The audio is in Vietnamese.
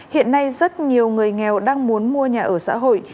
hiện nay rất nhiều người nghèo đang muốn mua nhà ở xã hội